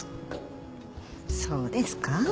そうですか？